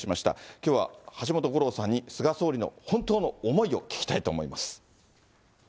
きょうは橋本五郎さんに、菅総理の本当の思いを聞きたいと思います。